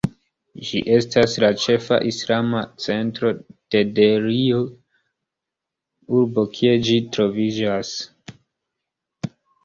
Ĝi estas la ĉefa islama centro de Delhio, urbo kie ĝi troviĝas.